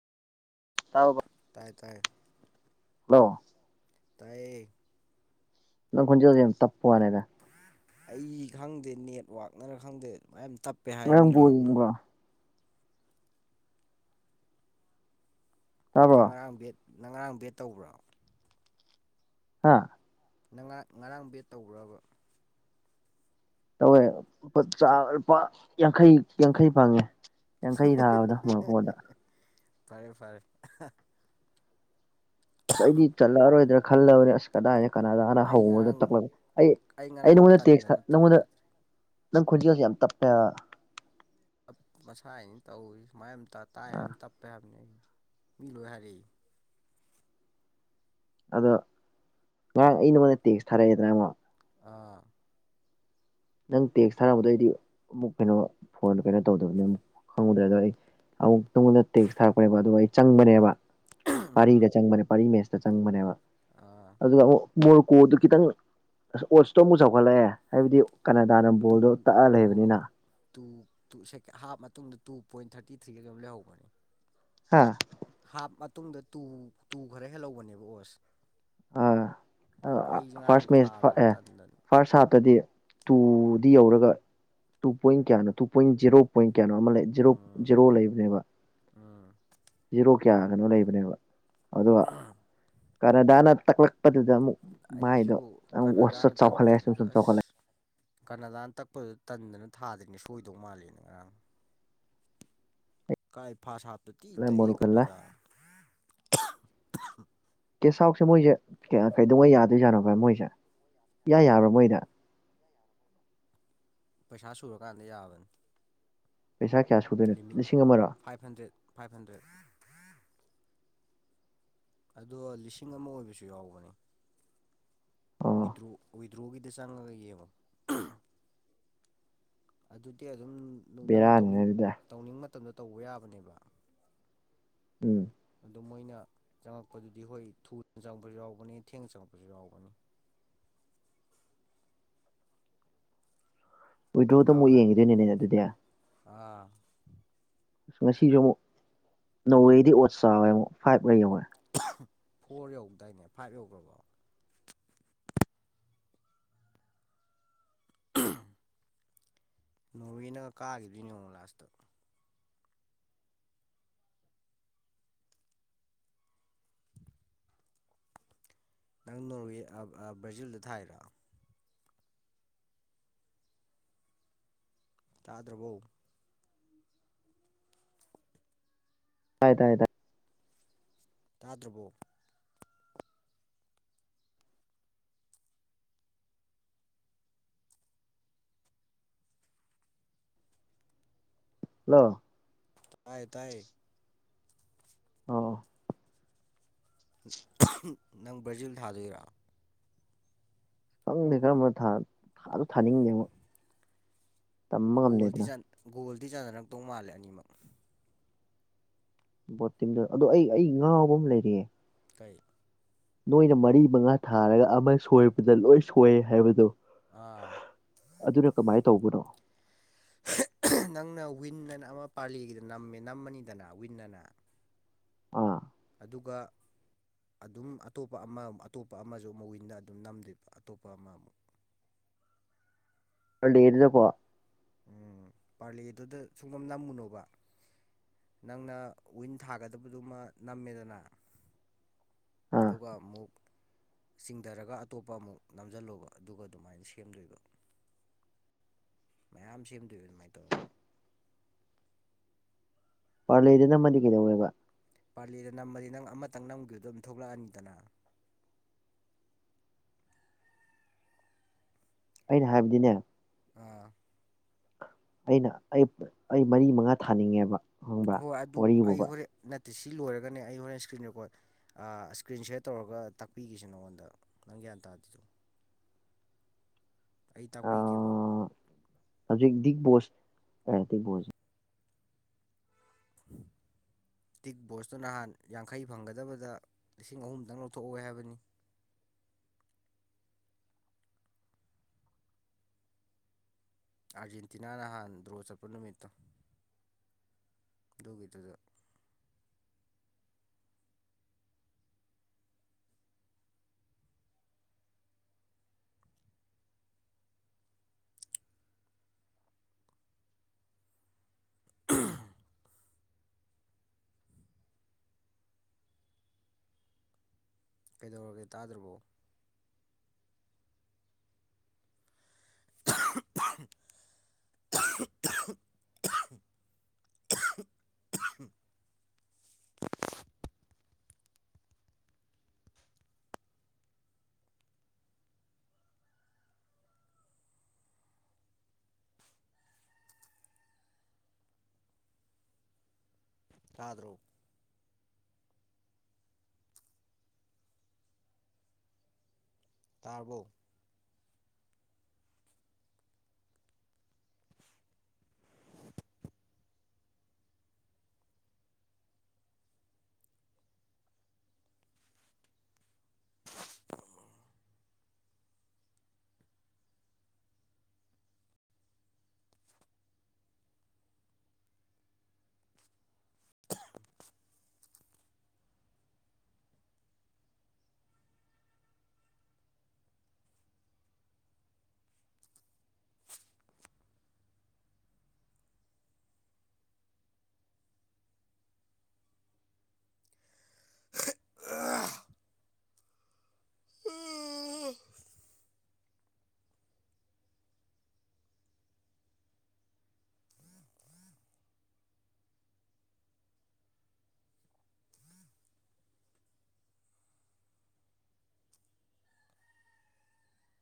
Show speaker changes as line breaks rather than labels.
ꯇꯥꯎꯒꯣ
ꯇꯥꯏ ꯇꯥꯏ
ꯍꯜꯂꯣ
ꯇꯥꯏꯌꯦ
ꯅꯪ ꯈꯣꯟꯖꯦꯜꯗꯣ ꯌꯥꯝ ꯇꯞꯄ ꯋꯥꯅꯤꯗ
ꯑꯩ ꯈꯪꯗꯦ ꯅꯦꯠꯋꯥꯛꯅꯔ ꯈꯪꯗꯦ ꯑꯗꯨꯃꯥꯏꯅ ꯇꯞꯄꯦ ꯍꯥꯏ ꯃꯤ
ꯉꯔꯥꯡ ꯕꯣꯜ
ꯂꯣꯏꯅꯃꯛꯅ
ꯌꯦꯡꯕ꯭ꯔꯣ ꯇꯥꯕ꯭ꯔꯣ
ꯉꯔꯥꯡ ꯕꯦꯠ ꯅꯔꯥꯡ ꯕꯦꯠ ꯇꯧꯕ꯭ꯔꯣ
ꯍꯥ
ꯅ ꯉꯔꯥꯡ ꯕꯦꯠ ꯇꯧꯕ꯭ꯔꯕ
ꯇꯧꯋꯦ ꯂꯨꯄꯥ ꯌꯥꯡꯈꯩ ꯌꯥꯡꯈꯩ ꯐꯪꯉꯦ ꯌꯥꯡꯈꯩ ꯊꯥꯕꯗꯣ ꯃꯛꯄꯣꯗ
ꯐꯔꯦ ꯐꯔꯦ
ꯑꯁ ꯑꯩꯗꯤ ꯆꯠꯂꯛꯑꯔꯣꯏꯗ꯭ꯔꯥ ꯈꯜꯂꯕꯅꯦ ꯑꯁ ꯀꯗꯥꯏꯅ
ꯑꯩ
ꯀꯅꯥꯗꯅꯗ
ꯉꯔꯥꯡ
ꯇꯛ ꯑꯩ
ꯉꯔꯥꯡ
ꯅꯉꯣꯟꯗꯦꯛꯁ
ꯇꯟꯗꯅ
ꯅꯉꯣꯟꯗ
ꯊꯥꯗ꯭ꯔꯦ
ꯅꯪ ꯈꯣꯖꯤꯒꯁꯤ ꯌꯥꯝ ꯇꯞꯄꯦ
ꯞ ꯃꯁꯥ ꯍꯥꯏꯅꯤ ꯇꯧꯔꯤ ꯁꯨꯃꯥꯏ ꯑꯃ ꯇꯥꯏ
ꯑꯥ
ꯍꯥꯏ ꯇꯞꯄꯦ ꯍꯥꯏꯕꯅꯤ ꯑꯩ ꯃꯤ ꯂꯣꯏ ꯍꯥꯏꯔꯛꯏ
ꯑꯗꯣ ꯉꯔꯥꯡ ꯑꯩ ꯅꯉꯣꯟꯗ ꯇꯦꯛꯁ ꯊꯥꯔꯛꯑꯦꯗꯅꯥ ꯑꯃꯛ
ꯑꯥ
ꯅꯪ ꯇꯦꯛꯁ ꯊꯥꯔꯛꯅꯕꯗꯩꯗꯤ ꯑꯃꯨꯛ ꯀꯩꯅꯣ ꯐꯣꯟ ꯀꯩꯅꯣ ꯇꯧꯗꯕꯅꯤ ꯑꯃꯨꯛ ꯈꯪꯉꯨꯗ꯭ꯔꯦ ꯑꯗꯣ ꯑꯩ ꯑꯃꯨꯛ ꯇꯨꯡꯉꯣꯟꯗ ꯇꯦꯛꯁ ꯊꯥꯔꯛꯄꯅꯦꯕ ꯑꯗꯨꯒ ꯑꯩ ꯆꯪꯕꯅꯦꯕ
ꯎꯝ
ꯄꯥꯔꯤꯗ ꯆꯪꯕꯅꯦ ꯄꯥꯔꯤ ꯃꯦꯁꯇ ꯆꯪꯕꯅꯦꯕ
ꯑꯥ
ꯑꯗꯨꯒ ꯑꯃꯨꯛ ꯃꯣꯔꯨꯀꯣꯗꯨ ꯈꯤꯇꯪ ꯑ ꯑꯣꯠꯁꯇꯣ ꯑꯃꯨꯛ ꯆꯥꯎꯈꯠꯂꯛꯑꯦ ꯍꯥꯏꯕꯗꯤ ꯀꯅꯥꯗꯥꯅ
ꯇꯨ
ꯕꯣꯜꯗꯣ ꯇꯛꯑ
ꯍꯣꯏ
ꯂꯩꯕꯅꯤꯅ
ꯍꯣꯏ ꯇꯨ ꯇꯨ ꯍꯥꯞ ꯃꯇꯨꯡꯗ ꯇꯨ ꯄꯣꯏꯟ ꯊꯥꯔꯇꯤ ꯊ꯭ꯔꯤꯒ ꯑꯗꯨꯝ ꯂꯩꯍꯧꯕꯅꯤ
ꯍꯥ
ꯍꯥꯞ ꯃꯇꯨꯡꯗ ꯇꯨ ꯇꯨ ꯈꯔ ꯍꯦꯜꯍꯧꯕꯅꯦꯕ ꯑꯣꯁ
ꯑꯥ
ꯑꯩꯁꯦ ꯉꯔꯥꯡ
ꯐꯥꯔꯁ ꯃꯦꯠꯆ
ꯊꯥꯗ꯭ꯔꯦ
ꯑꯦ
ꯇꯟꯗꯅꯤ
ꯐꯥꯔꯁ ꯍꯥꯞꯇꯗꯤ ꯇꯨꯗꯤ ꯌꯧꯔꯒ ꯇꯨ ꯄꯣꯏꯟ ꯀꯌꯥꯅꯣ ꯇꯨ ꯄꯣꯏꯟ ꯖꯦꯔꯣ
ꯎꯝ ꯎꯝ
[unintelligible] ꯀꯌꯥ ꯀꯅꯣ ꯂꯩꯕꯅꯦꯕ ꯑꯗꯨꯒ ꯀꯅꯥꯗꯥꯅ ꯇꯛꯂꯛꯄꯗꯨꯗ ꯑꯃꯨꯛ ꯃꯥꯏꯗꯣ
ꯑꯩꯁꯨ
ꯑꯃꯨꯛ ꯑꯣꯠꯁꯇꯣ
ꯀꯅꯥꯗꯥꯅ
ꯆꯥꯎꯈꯠꯂꯛꯑꯦ ꯁꯨꯝ
ꯇꯛꯄꯗꯨꯗ
ꯁꯨꯝ
ꯑꯁ ꯀꯅꯥꯗꯥꯅ ꯇꯛꯄꯗ ꯇꯟꯗꯅ ꯊꯥꯗ꯭ꯔꯤꯅꯦ ꯁꯣꯏꯗꯧ ꯃꯥꯜꯂꯦꯅ ꯉꯔꯥꯡ
ꯆꯥꯎꯈꯠꯂꯛꯑꯦ
ꯀꯥꯏ ꯐꯥꯁ ꯍꯥꯞꯇ ꯇꯤ ꯏꯇ ꯑꯦ
ꯃꯣꯔꯣꯀꯣꯅ
ꯑꯅꯖꯔ
ꯀꯦꯁ ꯍꯥꯎꯁꯦ ꯃꯣꯏꯁꯦ ꯀꯩꯗꯧꯉꯩ ꯌꯥꯗꯣꯏꯖꯠꯅꯣꯕ ꯃꯣꯏꯁꯦ ꯌꯥ ꯌꯥꯕ꯭ꯔꯥ ꯃꯣꯏꯗ
ꯄꯩꯁꯥ ꯁꯨꯔꯀꯥꯟꯗ ꯌꯥꯕꯅꯤ
ꯄꯩꯁꯥ ꯀꯌꯥ ꯁꯨꯗꯣꯏꯅꯣ
ꯂꯤꯃꯤꯠ
ꯂꯤꯁꯤꯡ ꯑꯃꯔ
ꯐꯥꯏꯚ ꯍꯟꯗ꯭ꯔꯦꯠ ꯐꯥꯏꯚ ꯍꯟꯗ꯭ꯔꯦꯠ ꯑꯗꯣ ꯂꯤꯁꯤꯡ ꯑꯃ ꯑꯣꯏꯕꯁꯨ ꯌꯥꯎꯕꯅꯤ
ꯑꯣ
ꯋꯤꯗ꯭ꯔꯣ ꯋꯤꯗ꯭ꯔꯣꯒꯤꯗ ꯆꯪꯉꯒ ꯌꯦꯡꯉꯣ ꯑꯗꯨꯗꯤ ꯑꯗꯨꯝ ꯅꯪꯅ
ꯕꯦꯔꯥꯅꯤꯅꯦ
ꯇꯧꯅꯤꯡ
ꯑꯗꯨꯗꯤ
ꯇꯧꯅꯤꯡꯕ ꯃꯇꯝꯗ ꯇꯧꯕ ꯌꯥꯕꯅꯦꯕ
ꯎꯝ
ꯑꯗꯣ ꯃꯣꯏꯅ ꯆꯪꯉꯛꯄꯗꯨꯗꯤ ꯍꯣꯏ ꯊꯨꯅ ꯆꯪꯕꯁꯨ ꯌꯥꯎꯕꯅꯤ ꯊꯦꯡꯅ ꯆꯪꯉꯛꯄꯁꯨ ꯌꯥꯎꯕꯅꯤ
ꯋꯤꯗ꯭ꯔꯣꯗ ꯑꯃꯨꯛ
ꯗꯥꯎꯋꯦ
ꯌꯦꯡꯈꯤꯗꯣꯏꯅꯦ ꯑꯗꯨꯗꯤ
ꯑꯥ
ꯑꯁ ꯉꯁꯤꯁꯨ ꯑꯃꯨꯛ ꯅꯋꯦꯗꯤ ꯑꯣꯠ ꯆꯥꯎꯥꯋꯦ ꯑꯃꯨꯛ ꯐꯥꯏꯕ ꯂꯩ ꯌꯧꯔꯦ
ꯐꯣꯔ ꯌꯧꯗꯏꯅꯦ ꯐꯥꯏꯚ ꯌꯧꯈ꯭ꯔꯕꯣ ꯅꯣꯡꯒꯤ ꯅꯪ ꯀꯥꯈꯤꯕꯗꯨꯅꯤ ꯌꯦꯣꯡꯉꯨ ꯂꯥꯁꯇꯣ [inaudible] ꯅꯪ ꯅꯣꯔꯋꯦ ꯕ꯭ꯔꯥꯖꯤꯜꯗ ꯊꯥꯏꯔꯣ ꯇꯥꯗ꯭ꯔꯕꯣ
ꯇꯥꯏ ꯇꯥꯏ ꯇꯥꯏ
ꯇꯥꯗ꯭ꯔꯕꯣ
ꯍꯥꯂꯣ
ꯇꯥꯏꯌꯦ ꯇꯥꯏꯌꯦ
ꯑꯣ
[unintelligible] ꯅꯪ ꯕ꯭ꯔꯥꯖꯤꯜ ꯊꯥꯗꯣꯏꯔꯣ
ꯈꯪꯗꯦꯗ ꯃꯠꯊꯥ ꯊꯥꯁꯨ ꯊꯥꯅꯤꯡꯗꯦꯕꯣ
ꯒꯣꯜꯗꯤ ꯆꯟ ꯒꯣꯜꯗꯤ ꯆꯥꯟꯅꯔꯛꯇꯧ ꯃꯥꯜꯂꯦ ꯑꯅꯤꯃꯛ
ꯚꯣꯇꯤꯡꯗ ꯑꯗꯣ ꯑꯩ ꯑꯩ ꯉꯥꯎꯕ ꯑꯃ ꯂꯩꯔꯦ
ꯀꯩ
ꯅꯣꯏꯅ ꯃꯔꯤ ꯃꯉꯥ ꯊꯥꯔꯒ ꯑꯃ ꯁꯣꯏꯕꯗ ꯂꯣꯏ ꯁꯣꯏ ꯍꯥꯏꯕꯗꯣ
ꯑꯥ
ꯑꯗꯨꯅ ꯀꯃꯥꯏ ꯇꯧꯕꯅꯣ
[inaudible] ꯅꯪꯅ ꯋꯤꯟ ꯑꯅ ꯑꯃ ꯄꯥꯜꯂꯤꯒꯤꯗ ꯅꯝꯃꯦ ꯅꯝꯃꯅꯤꯗꯅ ꯋꯤꯟꯅ ꯑꯅ
ꯑꯥ
ꯑꯗꯨꯒ ꯑꯗꯨꯝ ꯑꯇꯣꯞꯄ ꯑꯃ ꯑꯇꯣꯞꯄ ꯑꯃꯁꯨ ꯑꯃꯨꯛ ꯋꯤꯟꯗ ꯑꯗꯨꯝ ꯅꯝꯗꯨꯕ ꯑꯇꯣꯞꯄ ꯑꯃꯃꯨꯛ
ꯄꯥꯂꯦꯗꯨꯗꯀꯣ
ꯎꯝ ꯄꯥꯔꯂꯦꯗꯨꯗ ꯁꯨꯡꯅꯝ ꯅꯝꯃꯨꯅꯣꯕ ꯅꯪꯅ ꯋꯤꯟ ꯊꯥꯒꯗꯕꯗꯨꯃꯥ ꯅꯝꯃꯦꯗꯅ
ꯑꯥ
ꯑꯗꯨꯒ ꯑꯃꯨꯛ ꯆꯤꯡꯗꯔꯒ ꯑꯇꯣꯞꯄ ꯑꯃꯨꯛ ꯅꯝꯖꯜꯂꯣꯕ ꯑꯗꯨꯒ ꯑꯗꯨꯃꯥꯏꯅ ꯁꯦꯝꯗꯨꯕ ꯃꯌꯥꯝ ꯁꯦꯝꯗꯨꯕ ꯑꯗꯨꯃꯥꯏ ꯇꯧꯔꯒ
ꯄꯥꯔꯂꯦꯗ ꯅꯝꯃꯗꯤ ꯀꯩꯗꯧꯋꯦꯕ
ꯄꯥꯔꯂꯦꯗ ꯅꯝꯃꯗꯤ ꯅꯪ ꯑꯃꯇꯪ ꯅꯝꯈꯤꯕꯈꯤꯕꯗꯣ ꯑꯗꯨꯝ ꯊꯣꯛꯂꯛꯑꯅꯤꯗꯅ
ꯑꯩꯅ ꯍꯥꯏꯕꯗꯤꯅꯦ
ꯑꯥ
ꯑꯩꯅ ꯑꯩ ꯑꯩ ꯃꯔꯤ ꯃꯉꯥ ꯊꯥꯅꯤꯡꯉꯦꯕ ꯈꯪꯕ꯭ꯔꯥ
ꯍꯣꯏ ꯑꯗꯨ ꯑꯩ
ꯋꯥꯔꯤꯕꯨꯕ
ꯍꯣꯔꯦꯟ ꯅꯠꯇꯦ ꯁꯤ ꯂꯣꯏꯔꯒꯅꯦ ꯑꯩ ꯍꯣꯔꯦꯟ ꯏꯁꯀ꯭ꯔꯤꯟ ꯔꯦꯀꯣꯠ ꯑꯥ ꯏꯁꯀ꯭ꯔꯤꯟ ꯁꯌꯥꯔ ꯇꯧꯔꯒ ꯇꯥꯛꯄꯤꯒꯦꯁꯦ ꯅꯉꯣꯟꯗ ꯅꯪ ꯒ꯭ꯌꯥꯟ ꯇꯥꯗ꯭ꯔꯤꯗꯣ ꯑꯩ ꯇꯥꯛꯄꯤꯒꯦꯕ
ꯍꯧꯖꯤꯛꯗꯤ ꯕꯣꯁ ꯀꯃꯥꯏꯇꯧꯕꯣꯁ
[inaudible] ꯗꯤꯛ ꯕꯣꯁꯇꯨ ꯅꯍꯥꯟ ꯌꯥꯡꯈꯩ ꯐꯪꯒꯗꯕꯗ ꯂꯤꯁꯤꯡ ꯑꯍꯨꯝꯗꯪ ꯂꯧꯊꯣꯛꯍꯧꯏ ꯍꯥꯏꯕꯅꯤ ꯑꯥꯔꯖꯦꯟꯇꯤꯅꯥ ꯅꯍꯥꯟ ꯗ꯭ꯔꯣ ꯆꯠꯄ ꯅꯨꯃꯤꯠꯇꯣ ꯑꯗꯨꯒꯤꯗꯨꯗ [inaudible] ꯀꯩꯗꯧꯔꯒꯦ ꯇꯥꯗ꯭ꯔꯕꯣ [unintelligible] [unintelligible] ꯇꯥꯗ꯭ꯔꯣ ꯇꯥꯔꯕꯣ [unintelligible] [inaudible] [inaudible]